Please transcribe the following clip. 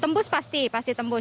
tembus pasti pasti tembus